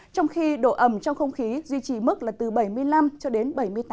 trong khi độ ẩm trong không khí duy trì mức là từ bảy mươi năm cho đến bảy mươi tám